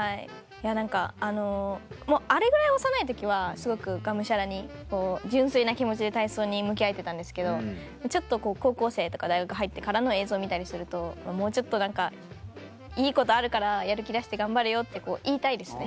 何かあのもうあれぐらい幼い時はすごくがむしゃらに純粋な気持ちで体操に向き合えてたんですけどちょっと高校生とか大学入ってからの映像見たりするともうちょっと何か「いいことあるからやる気出して頑張れよ」って言いたいですね。